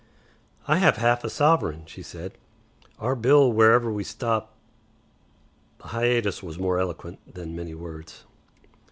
"I have half a sovereign," she said. "Our bill wherever we stop " The hiatus was more eloquent than many words.